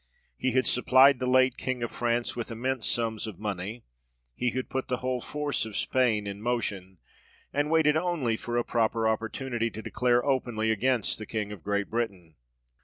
He had supplied the late King of France with immense sums of money, he had put the whole force of Spain in motion, and waited only for a proper opportunity to declare openly against the King of Great Britain.